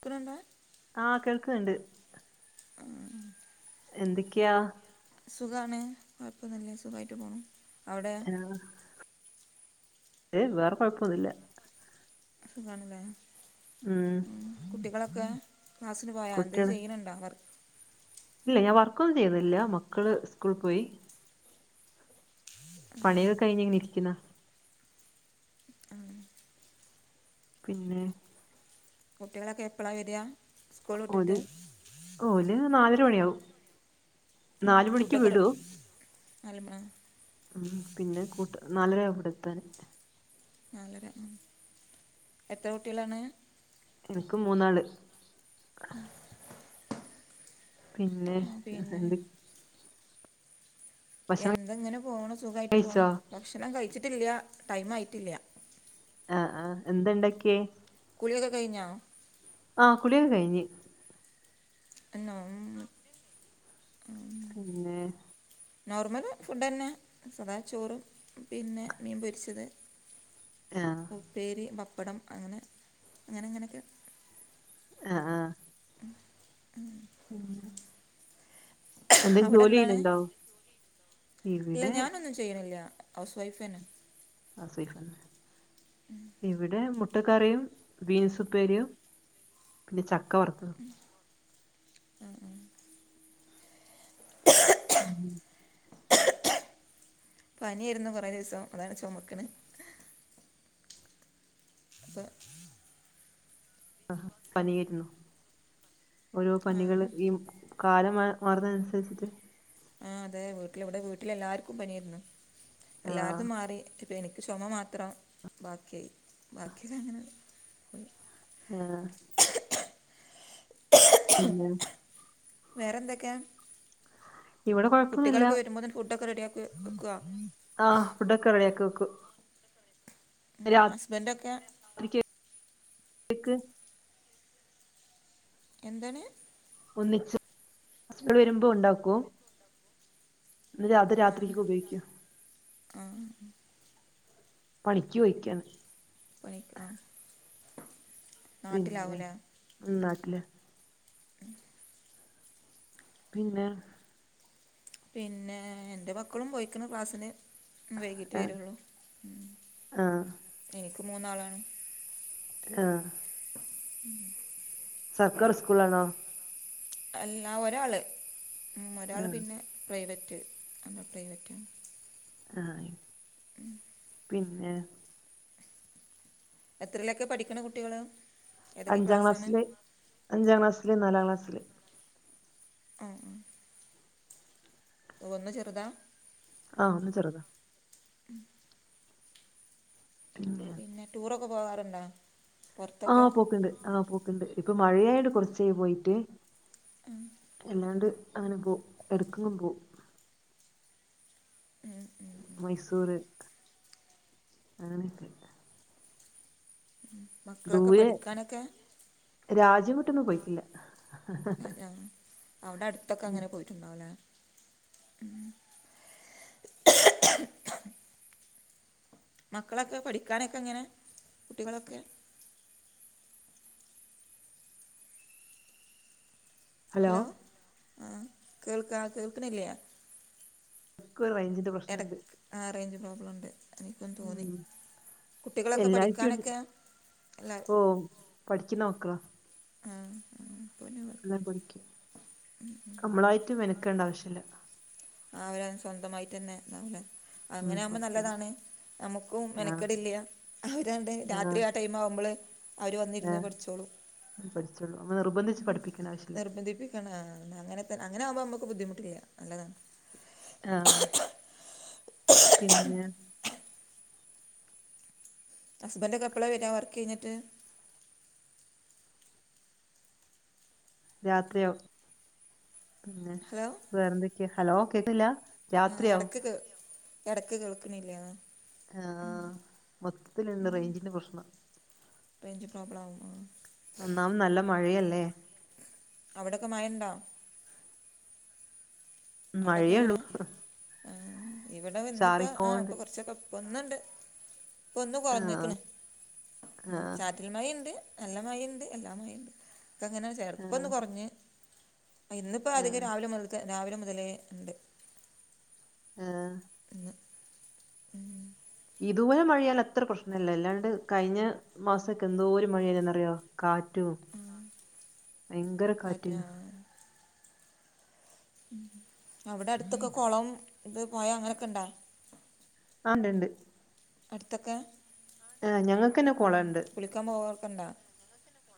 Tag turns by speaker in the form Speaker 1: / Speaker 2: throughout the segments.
Speaker 1: പിന്നെന്തെ?
Speaker 2: ആഹ് കേൾക്ക്ണ്ട്.
Speaker 1: ആഹ്
Speaker 2: എന്തൊക്കെയാ?
Speaker 1: സുഖാണ് കൊഴപ്പംന്നുംല്ല സുഖായിട്ട് പോണു അവടെ?
Speaker 2: ആഹ് ഏയ് വേറെ കൊഴപ്പന്നുല്ല.
Speaker 1: സുഖാണ്ല്ലേ ഉം കുട്ടികളൊക്കെ ക്ലാസ്സിന് പോയാ എന്തെ ഇങ്ങനെ
Speaker 2: കുട്ടികള്
Speaker 1: ചെയ്യ്ണണ്ട വർ
Speaker 2: ഇല്ല ഞാൻ വർക്കൊന്നും ചെയ്യുന്നില്ല മക്കള് സ്കൂള് പോയി. പണികൾ കഴിഞ്ഞ് ഇങ്ങനെരിക്കുന്ന.
Speaker 1: ആഹ്
Speaker 2: പിന്നെ?
Speaker 1: കുട്ടികളെക്കെ എപ്പളാ വരാ സ്കൂൾ വിട്ട്
Speaker 2: ഓല്
Speaker 1: ട്ട്?
Speaker 2: ഓല് നാലര മണിയാവും.
Speaker 1: ഉം
Speaker 2: നാല് മണിക്ക്
Speaker 1: ഫുഡക്കെ റെ
Speaker 2: വിടും
Speaker 1: അലമ്മ
Speaker 2: ഉം പിന്നെ കൂട്ട നാലര ഇവടെത്താൻ.
Speaker 1: നാലര മ് എത്ര കുട്ടികളാണ്?
Speaker 2: ഇൻക്ക് മൂന്നാള്.
Speaker 1: ഉം
Speaker 2: പിന്നെ
Speaker 1: പിന്നെ
Speaker 2: എന്ത ഭക്ഷണം
Speaker 1: എന്ത ങ്ങനെ പോണ് സുഖായിട്ട് പോണ്
Speaker 2: കഴിച്ചോ
Speaker 1: ഭക്ഷണം കഴിച്ചിട്ടില്ല ടൈം ആയിട്ടില്ല.
Speaker 2: ആഹ് ആഹ് എന്താ ണ്ടാക്കിയേ?
Speaker 1: കുളിയൊക്കെ കഴിഞ്ഞോ?
Speaker 2: ആഹ് കുളിക്കെ കഴിഞ്ഞ്.
Speaker 1: എന്നൗ മ്
Speaker 2: പിന്നെ?
Speaker 1: നോർമല് ഫുഡന്നെ സദാ ചോറ് പിന്നെ മീൻ പൊര്ച്ചത്.
Speaker 2: ആഹ്
Speaker 1: ഉപ്പേരി പപ്പടം അങ്ങനെ ങ്ങനെ ങ്ങനെക്കെ
Speaker 2: ആഹ് ആഹ്
Speaker 1: ഉം
Speaker 2: ഉം
Speaker 1: അവടെന്താണ് ഇല്ല
Speaker 2: ഇവിടെ
Speaker 1: ഞാനൊന്നും ചെയ്യ്ണില്ല ഹൗസ് വൈഫ്ന്നെ.
Speaker 2: ആഹ് സൈഫന്നെ ഇവടെ മു ട്ട കറിം ബീൻസ് പ്പേരിയും പിന്നെ ചക്ക വർത്തതും.
Speaker 1: ഉം ഉം
Speaker 2: ഉം
Speaker 1: പനിയാര്‌ന്നു കൊറേ ദിവസം അതാണ് ചൊമക്ക്നേ. പാ
Speaker 2: ആഹ് പനിയെര്ന്നു ഓരോ
Speaker 1: ആ
Speaker 2: പനികള് ഈ കാലം മാർ മാറുന്നനുസരിച്ചിട്ട്
Speaker 1: ആഹ് അതെ വീട്ട്ല് വടെ വീട്ട്ല് എല്ലാർക്കും പനിയാര്‌ന്നു
Speaker 2: ആഹ്
Speaker 1: എല്ലാര്തും മാറി. പ്പ എനിക്ക് ചുമ മാത്രം ബാക്കിയി ബാക്കിത്ങ്ങനാണ്ട് പോയി.
Speaker 2: ആഹ് ഇല്ലാ
Speaker 1: വേറെന്തൊക്കെയാ?
Speaker 2: ഇവടെ കൊഴപ്പൊന്നുല്ല
Speaker 1: വരുമ്പോൾ ഫുഡൊക്കെ റെഡിയാക്കി വെക്കുക
Speaker 2: ആഹ് ഫുഡൊക്കെ റെഡിയാക്കി വെക്കും. രാ
Speaker 1: ഹസ്ബന്റോക്കെ?
Speaker 2: യക്ക്
Speaker 1: എന്താണ്?
Speaker 2: ഒന്നിച്ച് ഹസ്ബന്റ്‌ വരുമ്പോ ഉണ്ടാക്കോ? ഇല്ല അത് രാത്രികക്ക് ഉപയോഗിക്കും.
Speaker 1: ആഹ്.
Speaker 2: പണിക്ക്വയ്ക്കാണ്.
Speaker 1: പോയ് ആഹ്.
Speaker 2: പിന്നെ ഉം നാട്ടിലാ.
Speaker 1: [inaudible]
Speaker 2: പിന്നെ?
Speaker 1: പിന്നെ ന്റെ മക്കളും പോയിക്ക്ണ് ക്ലാസ്സിന്. ഉം വൈകിട്ട്
Speaker 2: ആഹ്
Speaker 1: വരൊള്ളൂ
Speaker 2: ആഹ്
Speaker 1: എനിക്ക് മൂന്നാളാണ്.
Speaker 2: ആഹ്.
Speaker 1: [inaudible] [inaudible]
Speaker 2: സർക്കാർ സ്കൂളാണോ?
Speaker 1: [unintelligible] അല്ലാ ഒരാള് ഉം ഒരാള്
Speaker 2: ആഹ്
Speaker 1: പിന്നെ പ്രൈവറ്റ് എന്താ പ്രൈവറ്റ.
Speaker 2: ആഹ്.
Speaker 1: ഉം.
Speaker 2: പിന്നെ?
Speaker 1: എത്രയിലൊക്കെ പഠിക്ക്ണ് കുട്ടികള്?
Speaker 2: അഞ്ചാ ക്ലാസ്സില്, അഞ്ചാക്ലാസ്സില് നാലാ ക്ലാസ്സില്.
Speaker 1: ആഹ് ആ. ഓ ഒന്ന് ചെറ്താ.
Speaker 2: ആഹ് ഒന്ന് ചെറ്താ.
Speaker 1: ഉം.
Speaker 2: പിന്നെ?
Speaker 1: പിന്നെ ടൂറൊക്കെ പോവാറ്ണ്ടോ?
Speaker 2: ആ പോക്ക്ണ്ട് ആ പോക്ക്ണ്ട് ഇപ്പൊ മഴയായോട് കോർച്ചായി പോയിട്ട്.
Speaker 1: മ്.
Speaker 2: അല്ലാണ്ട് അങ്ങനെ പോവും എട് ക്കങ്ങും പോവും.
Speaker 1: മ്.
Speaker 2: മൈസൂര് അങ്ങനെയൊക്കെ.
Speaker 1: [inaudible]
Speaker 2: ദൂരെ
Speaker 1: പഠിക്കാനൊക്കെ
Speaker 2: രാജ്യംവിട്ടൊന്നും പോയിട്ടില്ല.
Speaker 1: അതെ അവ്ടെ അട്ത്തൊക്കെ
Speaker 2: ഉം
Speaker 1: അങ്ങനെ പോയിട്ണ്ടാവുല്ലേ. മക്കളൊക്കെ പഠിക്കാനൊക്കെ എങ്ങനെ കുട്ടികളൊക്കെ? ഹലോ ആ കേൾക്ക കേൾക്ണില്ലേ?
Speaker 2: ക്ക് ഒരു റേഞ്ച്
Speaker 1: എടക്ക് ആ റേഞ്ച് പ്രോബ്ലംണ്ട്. എനിക്കും തോന്നി
Speaker 2: ഉം
Speaker 1: കുട്ടികളൊക്കെ
Speaker 2: എല്ലാർക്കും ഉണ്ട്
Speaker 1: പഠിക്കാനൊക്കെ എല്ലെ.
Speaker 2: ഓ പഠിക്കുന്ന മക്കള.
Speaker 1: ആഹ്.
Speaker 2: നല്ലോം പഠിക്കും അമ്മളായിട്ട് മെനക്കേണ്ട ആവശ്യല്ല.
Speaker 1: ആ അവരെന്നെ സ്വന്തമായിട്ട് തന്നെവൂലെ
Speaker 2: ഉം
Speaker 1: അങ്ങനെ ആവുമ്പോ
Speaker 2: പഠിക്കും
Speaker 1: നല്ലതാണ്. നമുക്കും
Speaker 2: ആഹ്
Speaker 1: മെനക്കെടില്ല്യ അവരാണ്ട്
Speaker 2: ആഹ്
Speaker 1: രാത്രി ആ ടൈം ആവുമ്പോള് അവര് വന്നിരുന്ന് പഠിച്ചോളും.
Speaker 2: ഓല് പഠിച്ചോളും നമ്മൾ നിർബന്ധിച്ച് പഠിപ്പിക്കണ്ട ആവശ്യല്ല.
Speaker 1: ന്നെ അങ്ങനത്തന്ന അങ്ങനെയാവുംമ്പോ അമ്മക്ക് ബുദ്ധിമുട്ടില്ല്യ നല്ലതാണ്.
Speaker 2: ആഹ് പിന്നെ
Speaker 1: ഹസ്ബന്റൊക്കെ വരാ വർക്കയ് ഞ്ഞ്ട്ട്?
Speaker 2: രാത്രിയാവും പിന്നെ
Speaker 1: ഹലോ
Speaker 2: വേറെന്തൊക്കെയ ഹലോ കേക്കില്ല
Speaker 1: ആഹ്
Speaker 2: രാത്രിയാവും
Speaker 1: ഇടക്ക് കേ ഇടക്ക് കേൾക്കണില്ല
Speaker 2: ആഹ് മൊത്തത്തിൽ ഇന്ന് റേഞ്ചിന്റെ പ്രശ്ന
Speaker 1: റേഞ്ച് പ്രോബ്ലം ആവും ആഹ്
Speaker 2: ഒന്നാമത് നല്ല മഴയല്ലേ
Speaker 1: അവിടയൊക്കെ മഴണ്ടോ അവിടെയൊക്കെ
Speaker 2: മഴയേള്ളൂ
Speaker 1: എങ്ങനെ ഇവിടെ ഇന്നിപ്പോ ആഹ്
Speaker 2: ചാറിക്കോണ്ട്
Speaker 1: ഇപ്പോ കുറച്ചൊക്കെ ഇപ്പ ഒന്നണ്ട് ഇപ്പ ഒന്ന്
Speaker 2: ആ
Speaker 1: കുറഞ്ഞക്കണ് ഉം
Speaker 2: ആ
Speaker 1: ചാ ചാറ്റൽ മയണ്ട് നല്ല മഴണ്ട് എല്ലാ മയണ്ട് അക്ക അങ്ങനെ
Speaker 2: ആ
Speaker 1: ചെറുപ്പൊന്ന് കുറഞ്ഞ് ഇന്നിപ്പോ
Speaker 2: ആ
Speaker 1: അധികം രാവിലെ മുതൽക്ക് രാവിലെ മുതലേ ഉണ്ട്
Speaker 2: ആഹ്
Speaker 1: ഇന്ന് ഉം
Speaker 2: ഇതുപോലെ മഴയാലും അത്ര പ്രശ്നല്ല അല്ലാണ്ട് കഴിഞ്ഞ മാസക്കെ എന്തോരു മഴാന്നറിയോ കാറ്റും ഭയങ്കര
Speaker 1: കാറ്റ്
Speaker 2: കാറ്റും
Speaker 1: ആ ഉം അവിടെ അടുത്തൊക്കെ കുളം ഇത് പോയ അങ്ങനെയൊക്കെ ഉണ്ടാ
Speaker 2: ആണ്ട് ണ്ട്
Speaker 1: അടുത്തൊക്കെ
Speaker 2: ആഹ് ഞങ്ങൾക്കന്നെ
Speaker 1: ഉം,
Speaker 2: കൊളണ്ട്
Speaker 1: കുളിക്കാൻ പോവർക്കണ്ടാ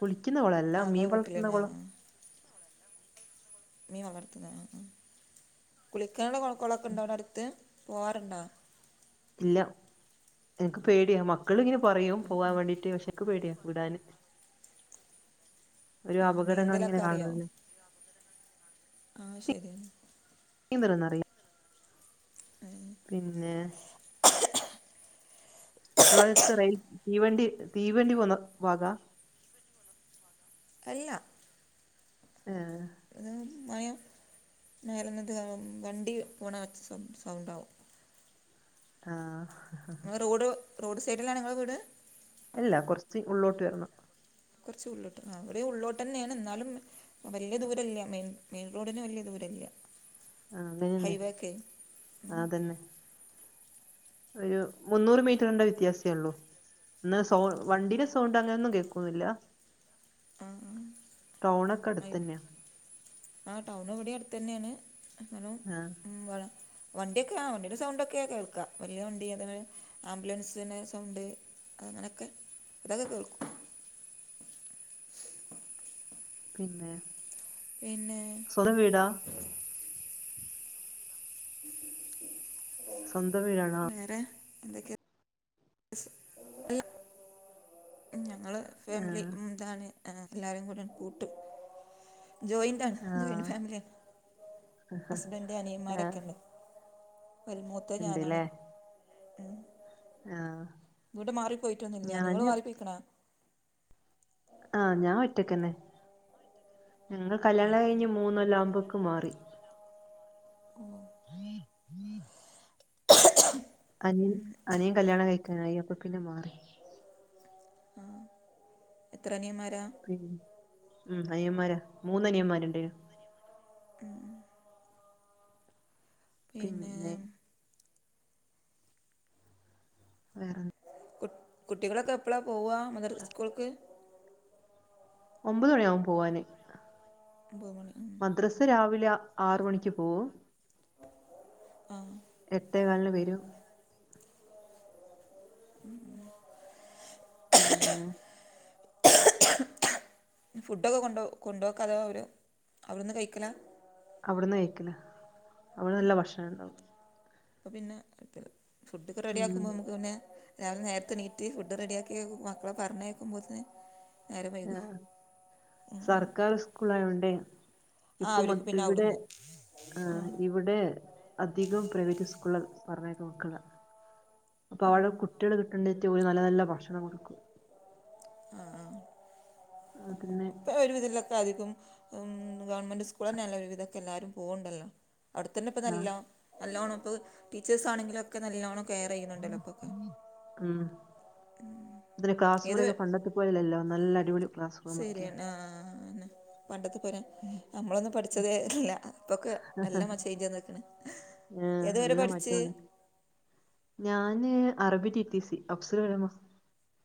Speaker 2: കുളിക്കുന്ന കൊളല്ല
Speaker 1: ആഹ്
Speaker 2: മീൻ
Speaker 1: ഇങ്ങളെ
Speaker 2: വളർത്തുന്ന
Speaker 1: വീട്ടിലന്നാ
Speaker 2: കൊളം
Speaker 1: മീൻ വളർത്തുന്ന കുളിക്കാനുള്ള കൊളക്കൊണ്ടോവിടെ അടുത്ത് പോവാറുണ്ടോ
Speaker 2: ഇല്ല എനിക്ക് പേടിയാ മക്കള ഇങ്ങനെ പറയും പോകൻ വേണ്ടീട്ട് പക്ഷേക്ക് പേടിയാ വിടാന് ഓരോ
Speaker 1: ആ, നീന്തലൊക്കെ
Speaker 2: അപകടങ്ങളിങ്ങനെ കാണല്ലേ
Speaker 1: ആഹ് ശരി അന്ന
Speaker 2: നീന്തലൊന്നും അറീയോ
Speaker 1: ഉം
Speaker 2: പിന്നെ ങ്ങളത്ത് റെയിൽ തീവണ്ടി തീവണ്ടി പോന്ന വാഗാ
Speaker 1: അല്ല
Speaker 2: ആഹ്
Speaker 1: അത് മയം നേര നിത് വണ്ടി പോണച്ച സൗണ്ട സൗണ്ടാവും
Speaker 2: ആഹ്
Speaker 1: ങ്ങ റോഡ് റോഡ് സൈഡിലാണിങ്ങളെ വീട്
Speaker 2: അല്ല കൊർച്ച് ഉള്ളോട്ട് വരണം
Speaker 1: കൊർച് ഉള്ളോട്ട് ഇവടിം ഉള്ളിലോട്ടന്നെന് ന്നാലും വല്യ ദൂരല്ല മെയിൻ മെയിൻ റോഡിന് വല്യ ദൂരല്ല്യ
Speaker 2: ആഹ് അങ്ങനെന്നെ
Speaker 1: ഹൈവേക്കെ
Speaker 2: അതന്നെ ഒരു മുന്നൂറ് മീറ്ററിന്റെ വ്യത്യാസേ ഒള്ളൂ ന്നാ സോ വണ്ടിടെ സൗണ്ട് അങ്ങനെയൊന്നും കേൾക്കൂല്ല
Speaker 1: ആ ആ. ഹൈ-
Speaker 2: ടൗണൊക്കെടുത്തന്യ
Speaker 1: ആ ടൗൺ എവിടെ അടുത്തന്നേന് എന്നാലു
Speaker 2: ആഹ്
Speaker 1: വടെ വണ്ടിയൊക്കെ ആ വണ്ടിയുടെ സൗണ്ട ഒക്കെ കേൾക്കാ വല്യ വണ്ടി അങ്ങനെ ആംബുലൻസിന് സൗണ്ട് അങ്ങനെയൊക്കെ ഇതൊക്കെ കേൾ
Speaker 2: പിന്നെ
Speaker 1: പിന്നെ
Speaker 2: സ്വന്തം വീടാ സ്വന്തം വീടാണോ
Speaker 1: വേറെ എന്തൊക്കെ [unintelligible] ങ്ങൾ ഫാമിലി
Speaker 2: ആഹ്
Speaker 1: എന്താണ് എല്ലാരുകൂടി കൂട്ടു ജോയിൻ ന്റാണ്
Speaker 2: ആഹ്
Speaker 1: ജോയിന്റ് ഫാമിലിയാ ഹസ്ബൻഡന്റെ
Speaker 2: ആഹ്
Speaker 1: അനിയന്മാരൊക്കെയിണ്ട് മരി മൂത്തത് ഞാനാണ്
Speaker 2: ഇണ്ട്ല്ലേ ആഹ്
Speaker 1: വീട് മാറിപ്പോയിട്ടൊന്നില്ലാ ങ്ങള്
Speaker 2: ഞാന്
Speaker 1: മാറിപ്പോയിക്കണ
Speaker 2: ആ ഞാ ഒറ്റക്കന്നെ ഞങ്ങൾ കല്യാണം കഴിഞ്ഞ് മൂന്നൊല്ലാവുമ്പോക്ക് മാറി
Speaker 1: മ്
Speaker 2: അനി അനിയൻ കല്യാണം കഴിക്കാനായി അപ്പൊ പിന്നെ മാറി
Speaker 1: ആ എത്രനിയന്മാരാ
Speaker 2: പിൻ മ് അനിയന്മാരാ മൂന്നനിയന്മാരുണ്ടായിനു
Speaker 1: മ് മ് പിന്നേ
Speaker 2: പിന്നെ വേറെ
Speaker 1: കു കുട്ടികളൊക്കെ എപ്പൊളാ പോവാ മദർ സ്കൂൾക്ക്
Speaker 2: ഒമ്പത് മണിയാവും പോവാന്
Speaker 1: ഒമ്പത് മണി മ്
Speaker 2: മദ്രസരാവിലെ ആറ് മണിക്ക് പോവും
Speaker 1: ആഹ്
Speaker 2: എട്ടേ കാലിന് വരും
Speaker 1: മ് മ്
Speaker 2: പിന്നെ
Speaker 1: ഫുഡൊക്കെ കൊണ്ട് കൊണ്ടപോക്കാതോ അവർ അവി ടന്ന് കഴിക്കല
Speaker 2: അവിടന്ന് കഴിക്കല അവിടെ നല്ല ഭക്ഷണണ്ടാവും
Speaker 1: അപ്പ പിന്നെകൊഴപ്പില്ല ഫുഡൊക്കെ റെഡി
Speaker 2: ഉം
Speaker 1: ആക്കുമ്പോ മ്മക്ക് പിന്നെ രാവിലെ നേരത്തെ എണീറ്റ് ഫുഡ് റെഡി ആക്കി മക്കളെ പറഞ്ഞേക്കുമ്പോത്തിന്
Speaker 2: ആ സർക്കാർ സ്കൂളായോണ്ടെ
Speaker 1: ആ
Speaker 2: ഇപ്പൊ മൊ
Speaker 1: അവർക്ക് പിന്നെ
Speaker 2: ഇവിടെ
Speaker 1: അവിടുന്ന്
Speaker 2: ആഹ് ഇവിടെ അധികം പ്രൈവറ്റ് സ്കൂളിൽ പറഞ്ഞയക്ക മക്കളെ അപ്പൊ അവിടെ കുട്ടികൾ കിട്ടേണ്ടിട്ട് ഒരു നല്ല നല്ല ഭക്ഷണം കൊടുക്കും
Speaker 1: ആഹ് ആഹ്
Speaker 2: പിന്നെ
Speaker 1: ഇപ്പ ഒരു വിധലൊക്കെ അധികം ഗവൺമെന്റ് സ്കൂൾ തന്നെല്ലേ ഒരുവിദൊക്കെ എല്ലാരും പോവണ്ടല്ലോ അവിടെത്തന്നെ ഇപ്പ നല്ല
Speaker 2: ആഹ്
Speaker 1: നല്ലോണം ഇപ്പോൾ ടീച്ചേഴ്സ് ആണെങ്കിലോക്കെ നല്ലോണം കെയർ ചെയ്യുന്നുണ്ടല്ലോ ഇപ്പൊക്കെ
Speaker 2: ഉം പിന്നെ ക്ലാസ് മുറിയൊക്കെ പണ്ടത്തെ- പോലല്ലല്ലോ നല്ല അടിപൊളി ക്ലാസ്
Speaker 1: ശരി
Speaker 2: റൂമൊക്കെയാ
Speaker 1: എന്ന ആഹ് അതെന്നെ പണ്ടത്തെ പോലെ നമ്മളൊന്നും പഠിച്ചതേ അല്ല ഇപ്പൊക്കെ നല്ല ആ ചേഞ്ച് വന്നേക്കണ്
Speaker 2: ആഹ്
Speaker 1: ഏതുവരെ
Speaker 2: നല്ല
Speaker 1: പഠിച്ച്
Speaker 2: മാറ്റമാണ് ഞാന് അറബി T T C Afzal Ulama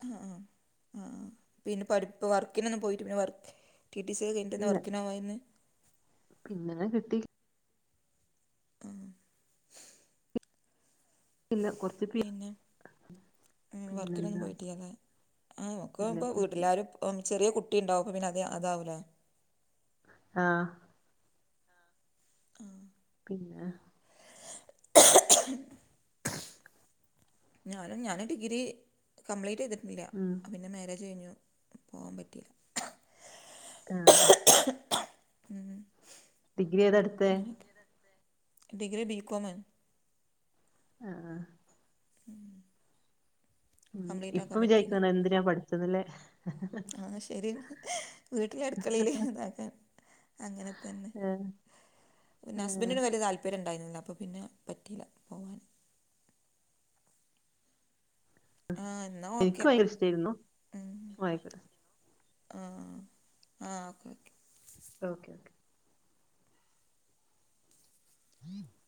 Speaker 1: ആഹ് ആഹ് ആഹ് പിന്നെ പടിപ്പ് വർക്കിന് ഒന്നും പോയിറ്റ് പിന്നെ വർക്ക് ടി ടി സി യൊക്കെ കഴിഞ്ഞിട്ട് ന്താ
Speaker 2: ഇല്ല
Speaker 1: വർക്കിന് പോകാതിരുന്നേ
Speaker 2: പിന്നെ കിട്ടില്ല
Speaker 1: ആഹ്
Speaker 2: ഇല്ല കൊറ
Speaker 1: പിന്നെ വർക്കിലൊന്നും
Speaker 2: പിന്നെന്താ
Speaker 1: പോയിട്ടില്ലല്ലേ ആ ഒക്കെ
Speaker 2: ഇല്ല
Speaker 1: ഇപ്പൊ വീട്ടിലെല്ലാരും അപ്പം ചെറിയ കുട്ടി ണ്ടാവും അപ്പൊ പിന്നെ അത് അതാവൂല്ലേ
Speaker 2: ആഹ്
Speaker 1: ആഹ്
Speaker 2: പിന്നാ
Speaker 1: ഞാനും ഞാന് ഡിഗ്രി കംപ്ലീറ്റെയ് തിട്ടില്ല
Speaker 2: ഉം
Speaker 1: പിന്നെ മാരേജ് കഴിഞ്ഞു പോകാൻ പറ്റിയില്ല
Speaker 2: ആഹ്
Speaker 1: ഉം
Speaker 2: ഡിഗ്രി ഏതാ എടുത്തേ
Speaker 1: അങ്ങന ഒക്കെ ആണ് ഡിഗ്രി ബി കോമേ
Speaker 2: ആഹ് ആഹ്.
Speaker 1: ഉം.
Speaker 2: ഇപ്പൊ
Speaker 1: പറ്റിയില്ല
Speaker 2: വിചാരിക്കുന്ന എന്തിനാ പഠിച്ചത് ന്നില്ലെ?
Speaker 1: അയ് ശരിന്നേ വീട്ടില് അടുക്കളയിൽ ഇതാക്കാൻ അങ്ങനെ തന്നെ
Speaker 2: ആഹ്
Speaker 1: പിന്നേ
Speaker 2: ആഹ്
Speaker 1: ഹസ്ബന്റിന് വലിയ താല്പര്യം ഉണ്ടായിരുന്നില്ല അപ്പൊ പിന്നെ പറ്റിയില്ല പോവാൻ. ആഹ് എന്നാ
Speaker 2: എനിക്ക്
Speaker 1: ഓക്കെ
Speaker 2: ഭയങ്കര ഇഷ്ടായിരുന്നു
Speaker 1: ഉം.
Speaker 2: ഓക്കെ
Speaker 1: ആഹ് ആഹ് ഓക്കെ ഓക്കെ...
Speaker 2: ഓക്കെ ഓക്കെ. ഉം [unintelligible]